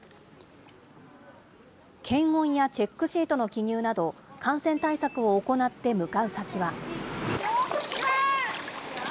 検温やチェックシートの記入など、感染対策を行って向かう先は。